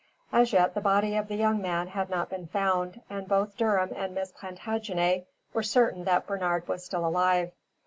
As yet the body of the young man had not been found, and both Durham and Miss Plantagenet were certain that Bernard was still alive.